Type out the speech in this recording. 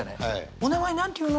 「お名前何て言うの？」